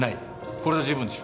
これで十分でしょ？